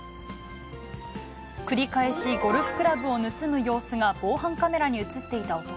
繰り返し、ゴルフクラブを盗む様子が防犯カメラに写っていた男。